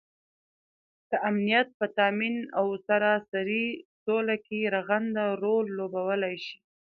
دامنیت په تآمین او سراسري سوله کې رغنده رول لوبوالی شي